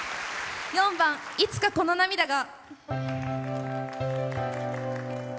４番「いつかこの涙が」。